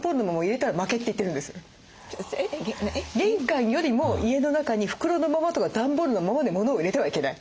玄関よりも家の中に袋のままとか段ボールのままでモノを入れてはいけない。